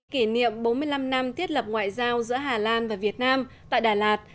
kỷ niệm bốn mươi năm năm thiết lập ngoại giao giữa hà lan và việt nam tại đà lạt